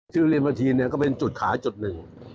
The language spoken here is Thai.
ชื่อเลียบนทีก็เป็นจุดขายจุดหนึ่ง